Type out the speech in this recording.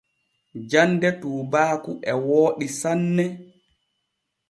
Jande tuubaaku e wooɗi sanne.